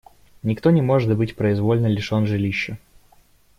Никто не может быть произвольно лишен жилища.